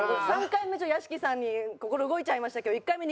３回目屋敷さんに心動いちゃいましたけど１回目